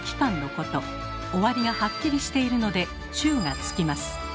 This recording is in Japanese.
終わりがハッキリしているので「中」がつきます。